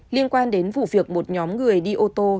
liên quan đến vụ việc một nhóm người đi ô tô